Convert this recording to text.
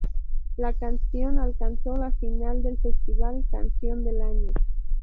La canción alcanzó la final del festival "Canción del Año".